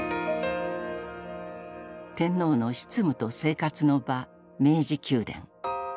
天皇の執務と生活の場明治宮殿。